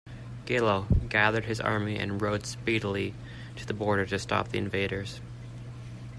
Gelou "gathered his army and rode speedily" to the border to stop the invaders.